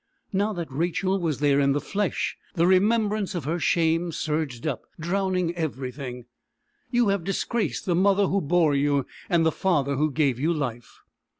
Now that Rachel was there in the flesh, the remembrance of her shame surged up, drowning everything. "You have disgraced the mother who bore you and the father who gave you life."